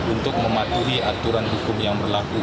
untuk mematuhi aturan hukum yang berlaku